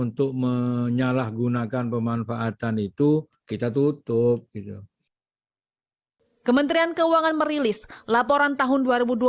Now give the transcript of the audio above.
untuk menyalahgunakan pemanfaatan itu kita tutup gitu kementerian keuangan merilis laporan tahun